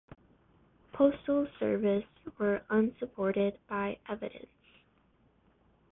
Postal Service were unsupported by evidence.